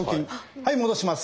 はい戻します。